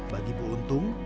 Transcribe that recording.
bagi bu untung